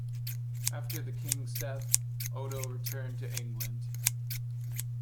After the king's death, Odo returned to England.